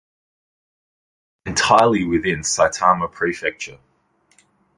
The route lies entirely within Saitama Prefecture.